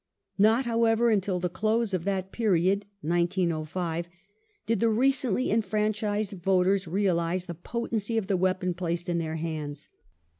Not, however, until the close of that period (1905) did the recently enfranchised voters realize the potency of the weapon placed in their hands.